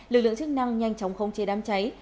lực lượng chức năng nhanh chóng khống chế đám cháy